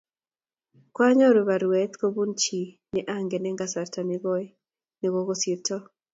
kwanyoru baruet kobun chii ne angen eng' kasarta ne koi ne kokosirto